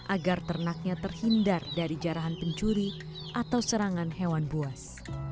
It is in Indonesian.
agar ternaknya terhindar dari jarahan pencuri atau serangan hewan buas